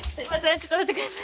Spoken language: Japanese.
ちょっと待って下さい。